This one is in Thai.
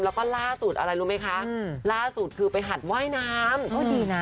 แล้วก็ล่าสุดอะไรรู้ไหมคะล่าสุดคือไปหัดว่ายน้ำก็ดีนะ